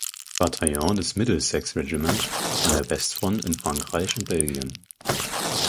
Bataillon des "Middlesex Regiment" an der Westfront in Frankreich und Belgien.